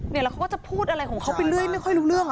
แล้วเขาก็จะพูดอะไรของเขาไปเรื่อยไม่ค่อยรู้เรื่อง